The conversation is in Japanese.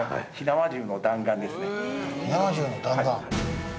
火縄銃の弾丸。